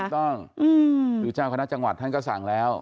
ถูกต้องคือเจ้าคณะจังหวัดท่านก็สั่งแล้ว